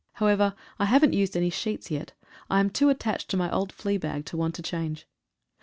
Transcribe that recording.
However, I haven't used any sheets yet — I am too attached to my old flea bag to want to change.